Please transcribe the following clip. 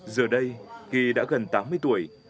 giờ đây kỳ đã gần tám mươi tuổi